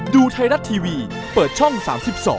ดูลูกเราโหดนะ